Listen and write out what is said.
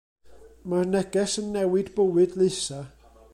Mae'r neges yn newid bywyd Leusa.